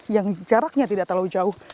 yang jaraknya tidak terlalu jauh